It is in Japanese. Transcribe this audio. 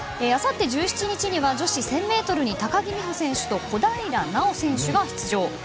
あさって１７日には女子１０００ｍに高木美帆選手と小平奈緒選手が出場。